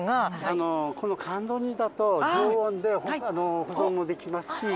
この甘露煮だと常温で保存もできますし。